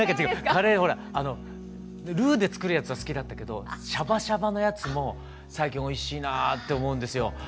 カレーほらルーで作るやつは好きだったけどシャバシャバのやつも最近おいしいなって思うんですよ。